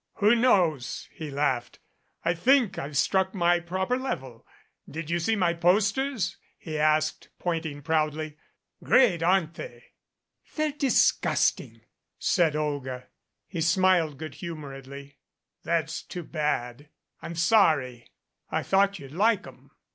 "Who knows?" he laughed. "I think I've struck my proper level. Did you see my posters ?" he asked, point ing proudly. "Great, aren't they?" "They're disgusting," said Olga. He smiled good hum o redly. "That's too bad. I'm sorry. I thought you'd like 'em."